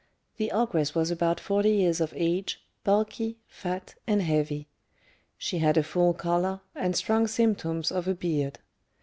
The ogress was about forty years of age, bulky, fat, and heavy. She had a full colour, and strong symptoms of a beard.